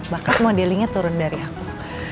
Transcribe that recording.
bahkan modelingnya turun dari aku